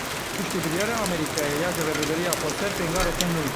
Piştî biryara Amerîkayê ji Rêveberiya Xweser pêngaveke nû.